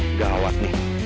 nggak lewat nih